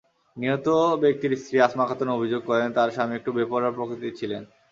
নিহত ব্যক্তির স্ত্রী আসমা খাতুন অভিযোগ করেন, তাঁর স্বামী একটু বেপরোয়া প্রকৃতির ছিলেন।